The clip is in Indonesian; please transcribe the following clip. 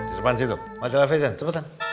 di depan situ majalah fajar cepetan